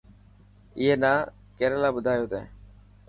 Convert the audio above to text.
اي نا ڪير يلا ٻڌايو تين.